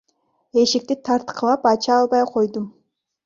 Эшикти тарткылап, ача албай койдум.